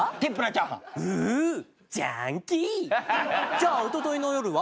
じゃあおとといの夜は？